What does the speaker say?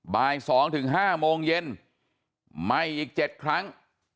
บ่ายสองถึงห้าโมงเย็นไหม้อีกเจ็ดครั้ง